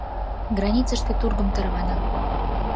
Границыште тургым тарвана.